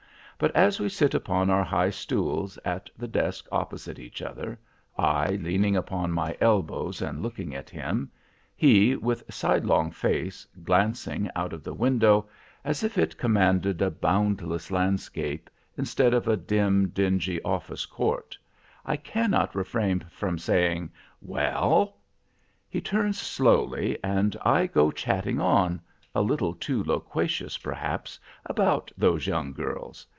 But as we sit upon our high stools at the desk opposite each other, I leaning upon my elbows and looking at him; he, with sidelong face, glancing out of the window, as if it commanded a boundless landscape, instead of a dim, dingy office court, I cannot refrain from saying: "Well!" He turns slowly, and I go chatting on—a little too loquacious, perhaps, about those young girls.